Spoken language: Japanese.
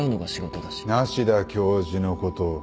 梨多教授のことを。